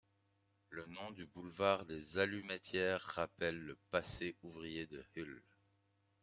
Le nom du boulevard des Allumettières rappelle le passé ouvrier de Hull.